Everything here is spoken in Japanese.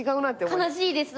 悲しいです。